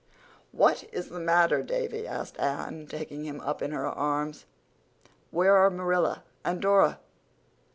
"What is the matter, Davy?" asked Anne, taking him up in her arms. "Where are Marilla and Dora?"